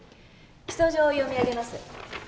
起訴状を読み上げます。